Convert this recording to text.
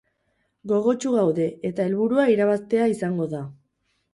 Gogotsu gaude eta helburua irabaztea izango da.